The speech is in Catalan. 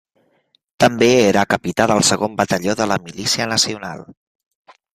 També era capità del Segon Batalló de la Milícia Nacional.